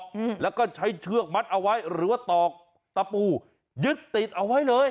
อืมแล้วก็ใช้เชือกมัดเอาไว้หรือว่าตอกตะปูยึดติดเอาไว้เลย